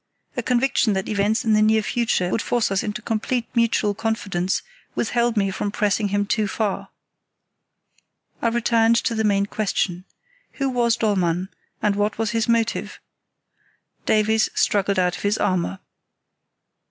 A conviction that events in the near future would force us into complete mutual confidence withheld me from pressing him too far. I returned to the main question; who was Dollmann, and what was his motive? Davies struggled out of his armour.